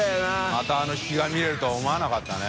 またあの引きが見れるとは思わなかったね。